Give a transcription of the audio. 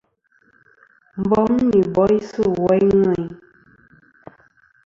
Bom nɨn boysɨ woyn ŋweyn.